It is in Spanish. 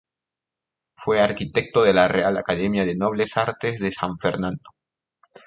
Fue arquitecto de la Real Academia de Nobles Artes de San Fernando.